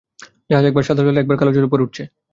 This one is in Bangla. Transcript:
জাহাজ একবার সাদা জলের, একবার কালো জলের উপর উঠছে।